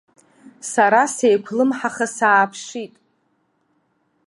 Сара сеиқәлымҳаха сааԥшит.